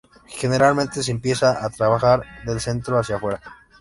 Generalmente se empieza a trabajar del centro hacia afuera.